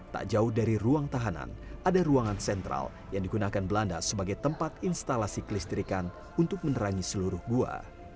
tak jauh dari ruang tahanan ada ruangan sentral yang digunakan belanda sebagai tempat instalasi kelistrikan untuk menerangi seluruh gua